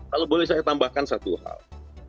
kalau boleh saya tambahkan satu hal